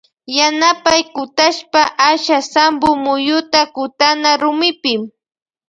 Yanapay kutashpa asha sampo muyuta kutana rumipi.